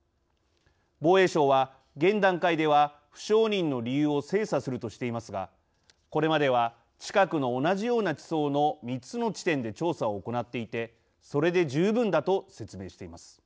防衛省は現段階では「不承認の理由を精査する」としていますがこれまでは近くの同じような地層の３つの地点で調査を行っていてそれで十分だと説明しています。